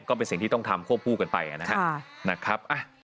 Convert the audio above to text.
ก็เป็นสิ่งที่ต้องทำควบคู่กันไปนะครับ